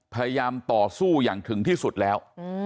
พยายามต่อสู้อย่างถึงที่สุดแล้ว